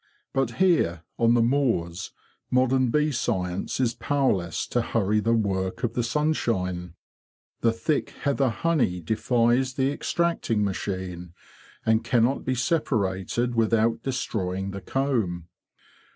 But here, on the moors, modern bee science is powerless to hurry the work of the sunshine. The thick heather honey defies the extracting machine, and cannot be separated without destroying the comb.